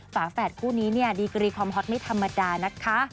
ฝาแฝดคู่นี้เนี่ยดีกรีความฮอตไม่ธรรมดานะคะ